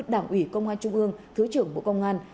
đảng ủy công an trung ương thứ trưởng bộ công an